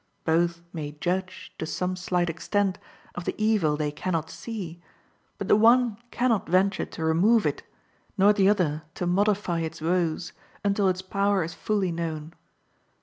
Both may judge, to some slight extent, of the evil they can not see, but the one can not venture to remove it, nor the other to modify its woes until its power is fully known.